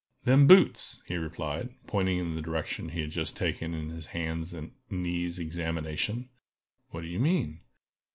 "Them boots!" he replied, pointing in the direction he had just taken in his hands and knees examination. "What do you mean?"